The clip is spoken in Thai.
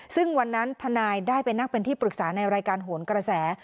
ซึ่งวันนั้นทนายได้ไปนั่งเป็นที่ปรึกษาในรายการโหนกระแส